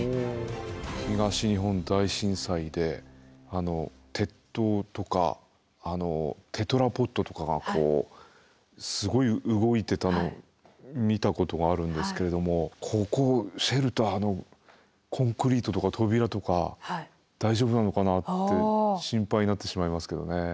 東日本大震災で鉄塔とかテトラポッドとかがこうすごい動いてたのを見たことがあるんですけれどもここシェルターのコンクリートとか扉とか大丈夫なのかなって心配になってしまいますけどね。